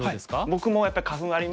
僕もやっぱり花粉ありますね。